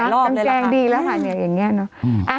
กังวลเนาะต้องแจ้งดีแล้วค่ะเนี่ยอย่างเนี่ยเนาะ